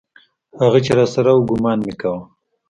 هغه چې راسره و ګومان مې کاوه.